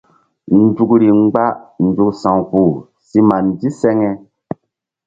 Nzukri mgba nzuk sa̧wkpuh si ma ndiseŋe.